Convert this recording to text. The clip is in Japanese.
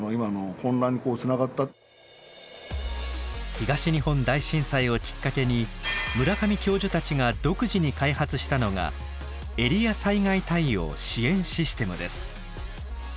東日本大震災をきっかけに村上教授たちが独自に開発したのが「エリア災害対応支援システム」です。